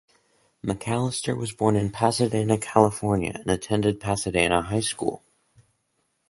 McAlister was born in Pasadena, California, and attended Pasadena High School.